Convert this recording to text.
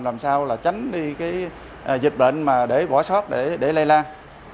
làm sao là tránh đi cái dịch bệnh mà để bỏ sót để lây lan